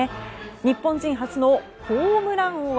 日本人初のホームラン王は？